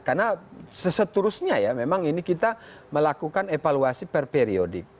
karena seseterusnya ya memang ini kita melakukan evaluasi perperiodik